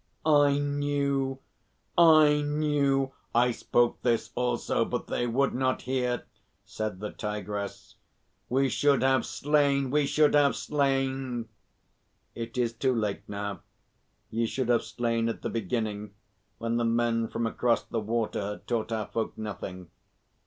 "I knew I knew! I spoke this also, but they would not hear," said the Tigress. "We should have slain we should have slain!" "It is too late now. Ye should have slain at the beginning when the men from across the water had taught our folk nothing.